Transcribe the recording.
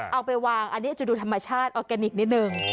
เอาไปวางอันนี้จะดูธรรมชาติออร์แกนิคนิดนึง